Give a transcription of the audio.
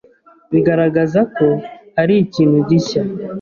Bigaragaza ko hari ikintu gishya